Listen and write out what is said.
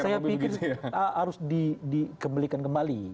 saya pikir harus dikembalikan kembali